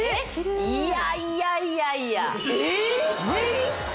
いやいやいやいや・え全員？